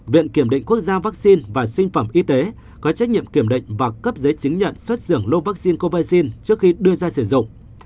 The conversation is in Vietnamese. viện kiểm định quốc gia vaccine và sinh phẩm y tế có trách nhiệm kiểm định và cấp giấy chứng nhận xuất dưỡng lô vaccine covaxin trước khi đưa ra sử dụng